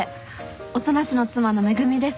音無の妻の恵美です。